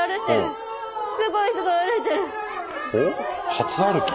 初歩き？